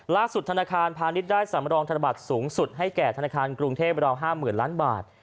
ธนาคารพาณิชย์ได้สำรองธนบัตรสูงสุดให้แก่ธนาคารกรุงเทพราว๕๐๐๐ล้านบาท